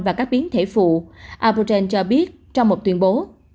và các biến thể phụ abuchen cho biết trong một tuyên bố